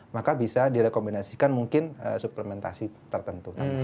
maka bisa direkomendasikan mungkin suplementasi tertentu